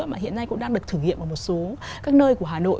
mà hiện nay cũng đang được thử nghiệm ở một số các nơi của hà nội